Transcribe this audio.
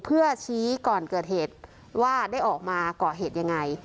เพื่อชี้ก่อนเกิดเหตุว่าได้ออกมาก่อเหตุยังไง